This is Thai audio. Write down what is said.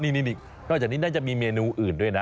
นี่นอกจากนี้น่าจะมีเมนูอื่นด้วยนะ